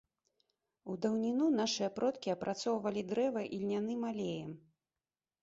У даўніну нашыя продкі апрацоўвалі дрэва ільняным алеем.